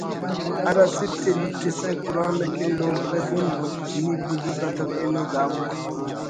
ہر اسٹ ءِ لٹسہ قرآن اکن لوڑپہ دُن نی بزرگ آتا پن ءِ دا وڑ